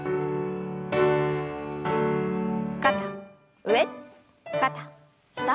肩上肩下。